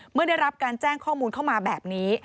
เมื่อได้รับการแจ้งข้อมูลเข้ามาแบบนี้